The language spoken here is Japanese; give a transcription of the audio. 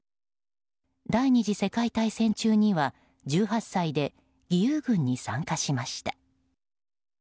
第２次世界大戦中には１８歳で義勇軍に参加しました。